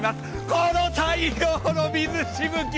この大量の水しぶき。